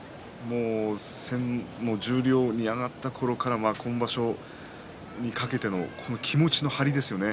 十両に上がったころから今場所にかけての気持ちの張りですよね。